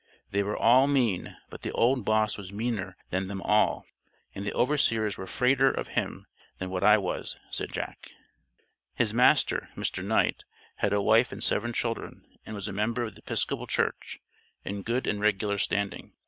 "They were all mean, but the old boss was meaner than them all," and "the overseers were 'fraider' of him than what I was," said Jack. His master (Mr. Knight), had a wife and seven children, and was a member of the Episcopal Church, in "good and regular standing."